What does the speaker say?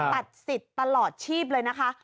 ตัดสิทธิ์ตลอดชีพเลยนะคะ